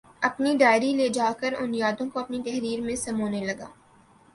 اپنی ڈائری لے جا کر ان یادوں کو اپنی تحریر میں سمونے لگا